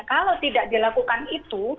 kalau tidak dilakukan itu